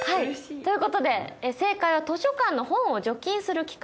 ということで正解は図書館の本を除菌する機械。